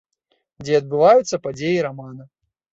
Дзе адбываюцца падзеі рамана.